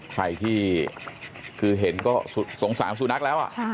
ใครที่คือเห็นก็สงสารสุนัขแล้ว